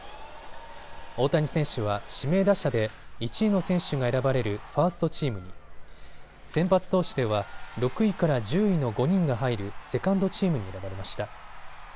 大谷選手は指名打者で１位の選手が選ばれるファーストチームに、先発投手では６位から１０位の５人が入るセカンドチームに選ばれました。